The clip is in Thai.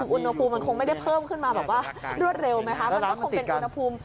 อุณหภูมิมันคงไม่ได้เพิ่มขึ้นมารวดเร็วไหมคะ